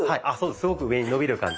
すごく上に伸びる感じ。